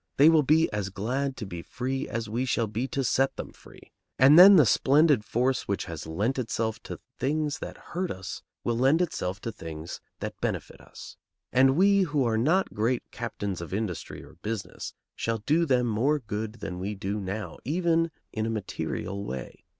They will be as glad to be free as we shall be to set them free. And then the splendid force which has lent itself to things that hurt us will lend itself to things that benefit us. And we, we who are not great captains of industry or business, shall do them more good than we do now, even in a material way.